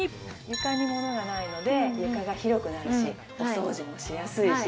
床に物がないので広くなるし、お掃除もしやすくなるし。